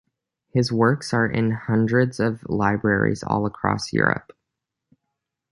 His works are in hundreds of libraries all across Europe.